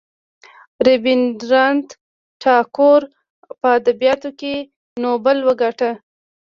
رابیندرانات ټاګور په ادبیاتو کې نوبل وګاټه.